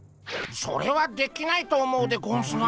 それはできないと思うでゴンスが。